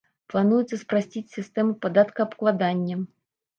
Плануецца спрасціць сістэму падаткаабкладання.